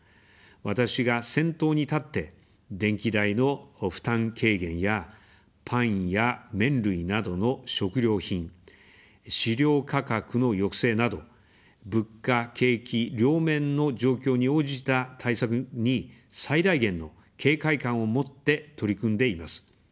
私が先頭に立って、電気代の負担軽減やパンや麺類などの食料品、飼料価格の抑制など、物価、景気両面の状況に応じた対策に最大限の警戒感を持って取り組んでいます。